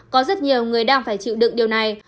có rất nhiều người đang phải chịu đựng điều này